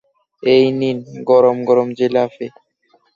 এই নিন গরম গরম জিলাপি।